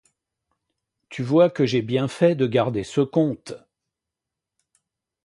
Tu vois que j’ai bien fait de garder ce compte…